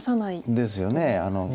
ですよね。